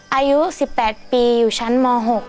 อายุ๑๘ปีอยู่ชั้นม๖